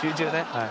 はい。